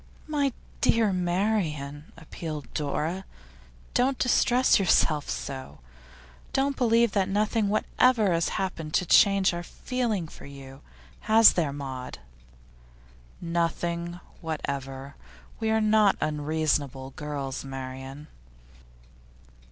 'My dear Marian,' appealed Dora, 'don't distress yourself so! Do believe that nothing whatever has happened to change our feeling to you. Has there, Maud?' 'Nothing whatever. We are not unreasonable girls, Marian.